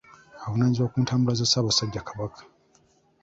Avunaanyizibwa ku ntambula za Ssaabasajja Kabaka.